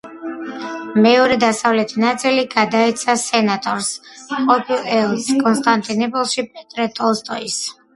მეორე, დასავლეთი ნაწილი გადაეცა სენატორს, ყოფილ ელჩს კონსტანტინოპოლში პეტრე ტოლსტოის.